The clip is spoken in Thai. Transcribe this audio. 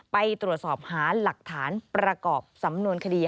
ไปตรวจสอบหาหลักฐานประกอบสำนวนคดี